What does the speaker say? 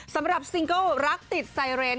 สำหรับซิงเกิลรักติดไซเรน